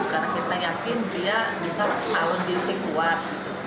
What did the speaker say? karena kita yakin dia bisa alun dc kuat